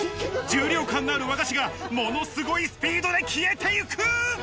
重量感のある和菓子がものすごいスピードで消えてゆく。